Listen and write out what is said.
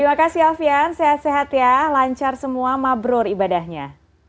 terima kasih alfian sehat sehat ya lancar semua mabrur ibadahnya